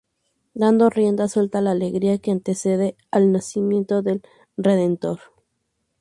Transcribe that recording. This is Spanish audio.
Dando rienda suelta a la alegría que antecede al nacimiento del Redentor.